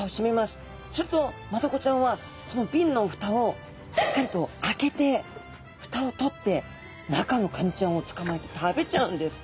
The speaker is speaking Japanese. するとマダコちゃんはそのビンのふたをしっかりと開けてふたを取って中のカニちゃんをつかまえて食べちゃうんです。